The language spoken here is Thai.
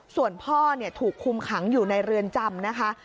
ส่วนพ่อถูกคุมขังอยู่ในเรือนจำนะคะ